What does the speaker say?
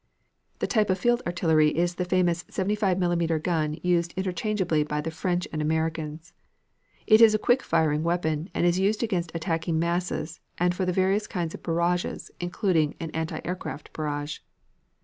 The type of field artillery is the famous 75 millimeter gun used interchangeably by the French and Americans. It is a quick firing weapon and is used against attacking masses and for the various kind of barrages, including an anti aircraft barrage.